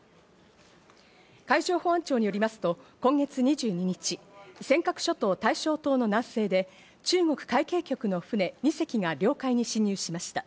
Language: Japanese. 海上保安庁によりますと今月２２日、尖閣諸島・大正島の南西で中国海警局の船２隻が領海に侵入しました。